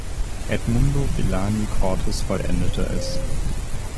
Edmundo Villani Cortes vollendete es.